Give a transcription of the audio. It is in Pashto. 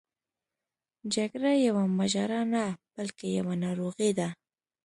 جګړه یوه ماجرا نه بلکې یوه ناروغي ده.